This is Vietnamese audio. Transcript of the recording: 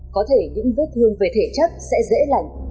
có thể những vết thương về thể chất sẽ dễ lành